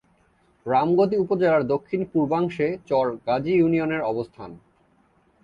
রামগতি উপজেলার দক্ষিণ-পূর্বাংশে চর গাজী ইউনিয়নের অবস্থান।